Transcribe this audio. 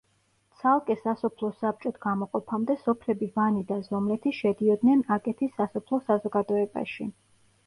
ცალკე სასოფლო საბჭოდ გამოყოფამდე სოფლები ვანი და ზომლეთი შედიოდნენ აკეთის სასოფლო საზოგადოებაში.